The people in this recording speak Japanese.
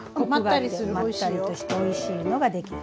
まったりとしたおいしいのが出来る。